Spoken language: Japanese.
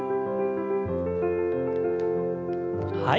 はい。